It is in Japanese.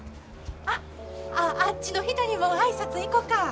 あっああっちの人にも挨拶行こか。